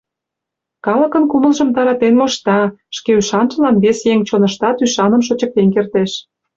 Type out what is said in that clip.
Калыкын кумылжым таратен мошта, шке ӱшанжылан вес еҥ чоныштат ӱшаным шочыктен кертеш».